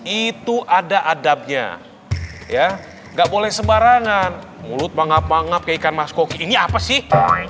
itu ada adabnya ya nggak boleh sembarangan mulut bangga banget kayak ikan maskoki ini apa sih